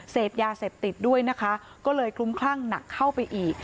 เสพยาเสพติดด้วยนะคะก็เลยคลุ้มคลั่งหนักเข้าไปอีก